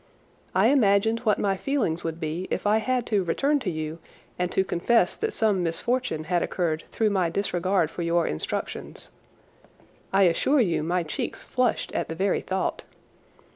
I imagined what my feelings would be if I had to return to you and to confess that some misfortune had occurred through my disregard for your instructions. I assure you my cheeks flushed at the very thought.